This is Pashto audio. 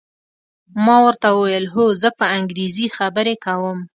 ما ورته وویل: هو، زه په انګریزي خبرې کوم.